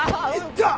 痛っ！